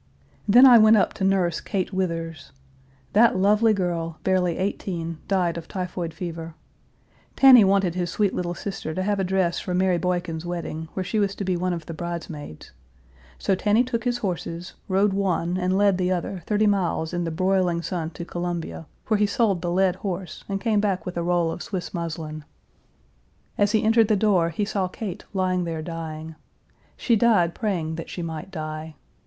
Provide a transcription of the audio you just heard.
Then I went up to nurse Kate Withers. That lovely girl, barely eighteen, died of typhoid fever. Tanny wanted his sweet little sister to have a dress for Mary Boykin's wedding, where she was to be one of the bridesmaids. So Tanny took his horses, rode one, and led the other thirty miles in the broiling sun to Columbia, where he sold the led horse and came back with a roll of Swiss muslin. As he entered Page 404 the door, he saw Kate lying there dying. She died praying that she might die.